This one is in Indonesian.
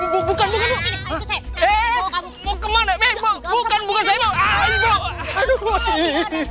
bukan bukan bukan bukan bukan